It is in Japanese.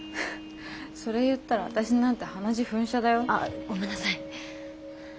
それ言ったら私なんて鼻血噴射だよ。ああごめんなさい。